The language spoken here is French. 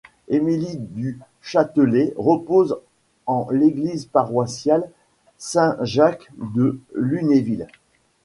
Émilie du Châtelet repose en l'église paroissiale Saint-Jacques de Lunéville.